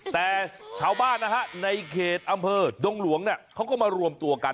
แต่ชาวบ้านนะฮะในเขตอำเภอดงหลวงเขาก็มารวมตัวกัน